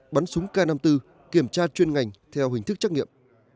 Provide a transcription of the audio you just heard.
bắn súng k năm mươi bốn kiểm tra chuyên ngành theo hình thức trắc nghiệm